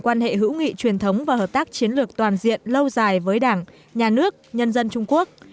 quan hệ hữu nghị truyền thống và hợp tác chiến lược toàn diện lâu dài với đảng nhà nước nhân dân trung quốc